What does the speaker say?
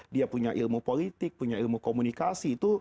dia punya ilmu politik punya ilmu komunikasi